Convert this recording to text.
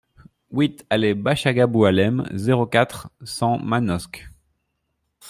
huit allée Bachagha Boualem, zéro quatre, cent Manosque